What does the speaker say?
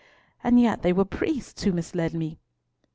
And yet they were priests who misled me!"